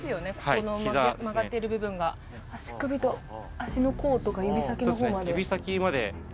この曲がってる部分が足首と足の甲とか指先の方までそうですね